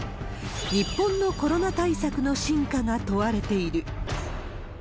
日本のコロナ対策の真価が問われている。